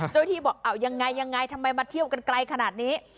เจ้าหน้าที่บอกยังไงทำไมมาเที่ยวกันไกลขนาดนี้